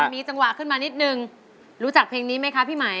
มีจังหวะขึ้นมานิดนึงรู้จักเพลงนี้ไหมคะพี่ไหม